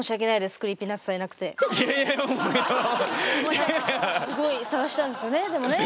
すごい探したんですよねでもね。